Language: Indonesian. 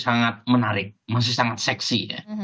sangat menarik masih sangat seksi ya